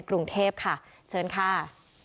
กรุงเทพค่ะเชิญค่ะ